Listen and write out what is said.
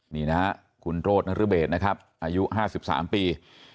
นี่นะครับคุณโรธนรเบศนะครับอายุ๕๓ปี